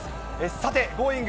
さて、Ｇｏｉｎｇ！